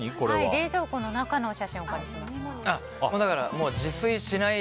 冷蔵庫の中の写真をお借りしました。